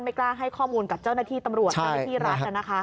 ไม่กล้าให้ข้อมูลกับเจ้าหน้าที่ตำรวจและที่รัก